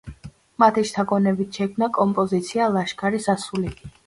მათი შთაგონებით შეიქმნა კომპოზიცია „ლაშარის ასული“.